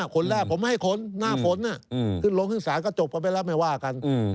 ผมไม่ให้ขนหน้าขนน่ะคือโรงคุณศาสตร์ก็จบไปแล้วไม่ว่ากัน